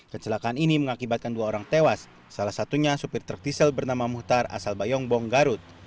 kecelakaan ini mengakibatkan dua orang tewas salah satunya supir truk diesel bernama muhtar asal bayongbong garut